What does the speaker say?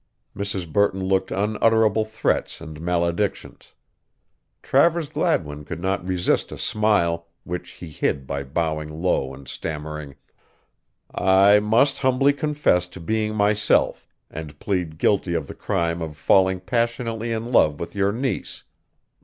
Mrs. Burton looked unutterable threats and maledictions. Travers Gladwin could not resist a smile, which he hid by bowing low and stammering: "I must humbly confess to being myself and plead guilty of the crime of falling passionately in love with your niece.